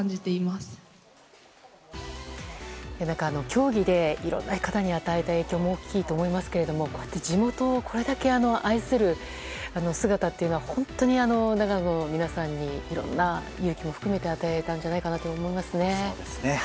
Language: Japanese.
競技でいろんな方に与えた影響も大きいと思いますけれどもこうやって地元を愛する姿は本当に長野の皆さんにいろんな勇気も含めて与えたんじゃないかなと思いますね。